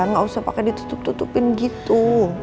nggak usah pakai ditutup tutupin gitu